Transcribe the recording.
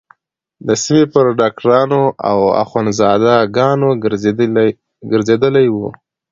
د سيمې پر ډاکترانو او اخوندزاده گانو گرځېدلې وه.